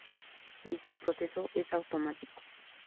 Dicho proceso es automático.